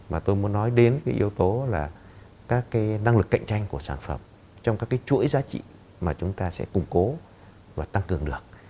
và tôi muốn nói đến cái yếu tố là các cái năng lực cạnh tranh của sản phẩm trong các cái chuỗi giá trị mà chúng ta sẽ củng cố và tăng cường được